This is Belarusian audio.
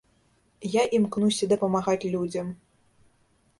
Я імкнуся дапамагаць людзям.